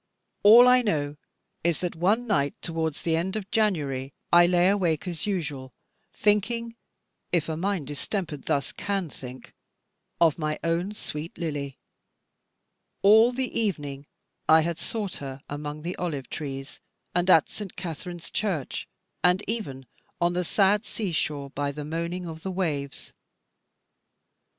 All I know is that one night towards the end of January, I lay awake as usual, thinking if a mind distempered thus can think of my own sweet Lily. All the evening I had sought her among the olive trees, and at St. Katharine's Church, and even on the sad sea shore by the moaning of the waves.